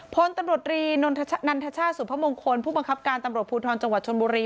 พลตำรวจรีนันทชาติสุพมงคลผู้บังคับการตำรวจภูทรจังหวัดชนบุรี